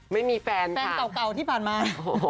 ไม่มีแฟนค่ะโอ้โฮสลังเทห์เหรอแฟนเก่าที่ผ่านมา